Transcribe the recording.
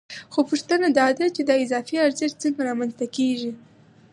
خو پوښتنه دا ده چې دا اضافي ارزښت څنګه رامنځته کېږي